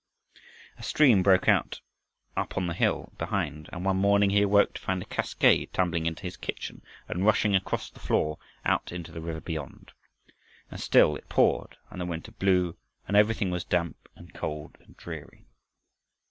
A stream broke out up in the hill behind and one morning he awoke to find a cascade tumbling into his kitchen, and rushing across the floor out into the river beyond. And still it poured and the wind blew and everything was damp and cold and dreary.